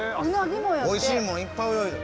おいしいもんいっぱい泳いどる。